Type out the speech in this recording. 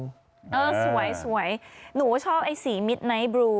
สวยสวยหนูก็ชอบสีมิดไนท์บลู